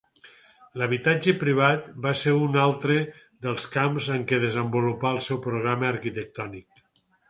L'habitatge privat va ser un altre dels camps en què desenvolupà el seu programa arquitectònic.